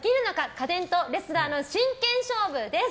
家電とレスラーの真剣勝負です。